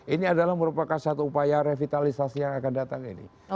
ini adalah merupakan satu upaya revitalisasi yang akan datang ini